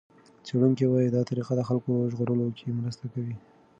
څېړونکي وايي دا طریقه د خلکو ژغورلو کې مرسته کوي.